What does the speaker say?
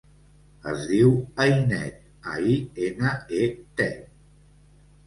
Es diu Ainet: a, i, ena, e, te.